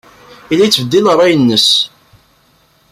Yella yettbeddil ṛṛay-nnes.